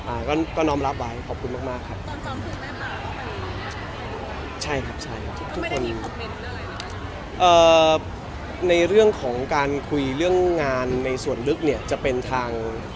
อ่าก็น้องรับไว้ขอบคุณมากค่ะใช่ครับใช่ทุกคนเอ่อในเรื่องของการคุยเรื่องงานในส่วนลึกเนี้ยจะเป็นทาง